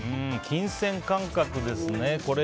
金銭感覚ですね。